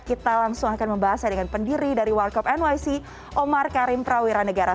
kita langsung akan membahasnya dengan pendiri dari warkop nyc omar karim prawira negara